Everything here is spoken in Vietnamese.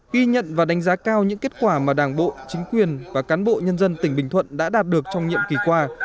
ghi nhận và đánh giá cao những kết quả mà đảng bộ chính quyền và cán bộ nhân dân tỉnh bình thuận đã đạt được trong nhiệm kỳ qua